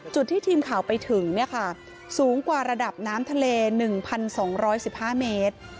ที่ทีมข่าวไปถึงสูงกว่าระดับน้ำทะเล๑๒๑๕เมตร